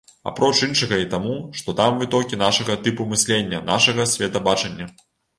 Апроч іншага і таму, што там вытокі нашага тыпу мыслення, нашага светабачання.